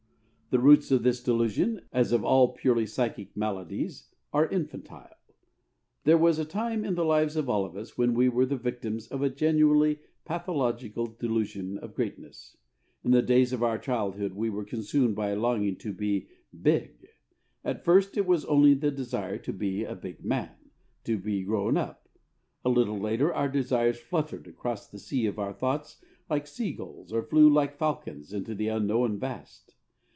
The roots of this delusion, as of all purely psychic maladies, are infantile. There was a time in the lives of all of us when we were the victims of a genuinely pathological delusion of greatness. In the days of our childhood we were consumed by a longing to be "big." At first it was only the desire to be a "big man," to be grown up. A little later and our desires fluttered across the sea of our thoughts like sea gulls or flew like falcons into the unknown vast.